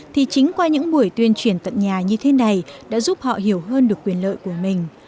thì chính qua những buổi tuyên truyền tận nhà như thế này đã giúp họ hiểu hơn được quyền lợi của mình